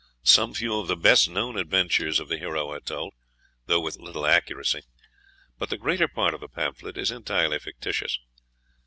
Some few of the best known adventures of the hero are told, though with little accuracy; but the greater part of the pamphlet is entirely fictitious.